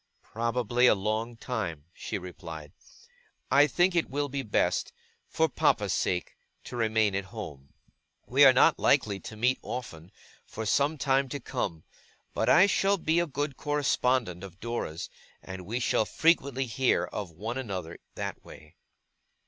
'Probably a long time,' she replied; 'I think it will be best for papa's sake to remain at home. We are not likely to meet often, for some time to come; but I shall be a good correspondent of Dora's, and we shall frequently hear of one another that way.